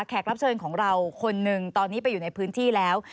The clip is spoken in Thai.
รับเชิญของเราคนหนึ่งตอนนี้ไปอยู่ในพื้นที่แล้ว